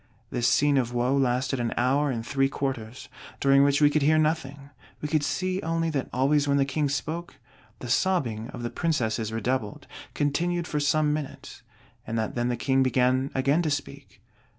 This scene of woe lasted an hour and three quarters; during which we could hear nothing; we could see only that always when the King spoke, the sobbing of the Princesses redoubled, continued for some minutes; and that then the King began again to speak."